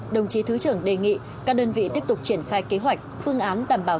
đồng chí thứ trưởng đề nghị các đơn vị tiếp tục triển khai kế hoạch phương án đảm bảo